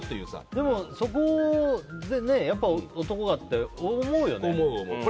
でも、そこでやっぱ男がって思うよね。